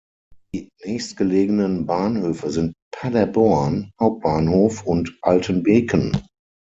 Die nächstgelegenen Bahnhöfe sind Paderborn Hauptbahnhof und Altenbeken.